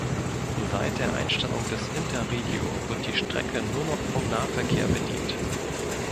Seit der Einstellung des Interregio wird die Strecke nur noch vom Nahverkehr bedient.